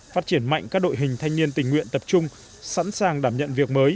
phát triển mạnh các đội hình thanh niên tình nguyện tập trung sẵn sàng đảm nhận việc mới